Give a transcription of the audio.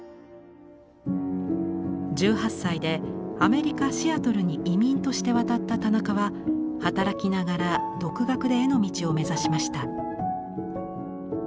１８歳でアメリカ・シアトルに移民として渡った田中は働きながら独学で絵の道を目指しました。